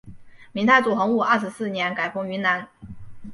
明太祖洪武二十四年改封云南。